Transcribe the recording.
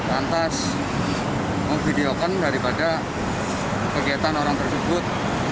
lantas memvideokan daripada kegiatan orang tersebut